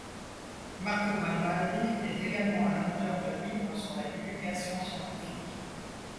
Marco Malvaldi est également un auteur de livres sur la divulgation scientifique.